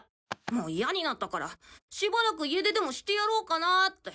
もう嫌になったからしばらく家出でもしてやろうかなって。